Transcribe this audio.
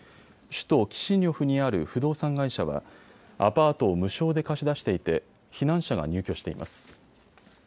首都キシニョフにある不動産会社はアパートを無償で貸し出していて避難者が入居しています。